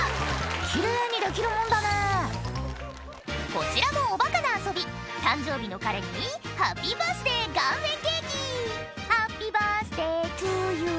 奇麗にできるもんだねこちらもおバカな遊び誕生日の彼にハッピーバースデー顔面ケーキ「ハッピーバースデートゥーユー」